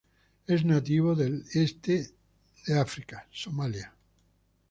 Es nativo del este de África, Somalia.